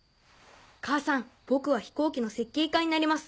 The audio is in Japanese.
母さん僕は飛行機の設計家になります。